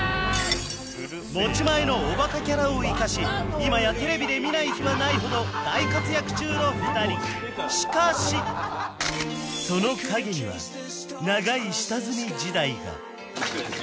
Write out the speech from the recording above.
持ち前のおバカキャラを生かし今やテレビで見ない日はないほど大活躍中の２人しかしその陰には錦鯉です